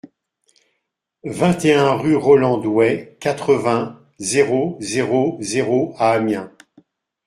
vingt et un rue Roland Douay, quatre-vingts, zéro zéro zéro à Amiens